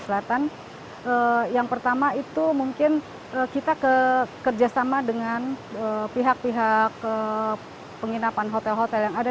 selatan yang pertama itu mungkin kita ke kerjasama dengan pihak pihak penginapan hotel hotel yang ada